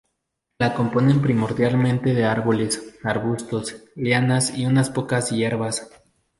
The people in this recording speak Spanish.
La componen primordialmente de árboles, arbustos, lianas, y unas pocas hierbas.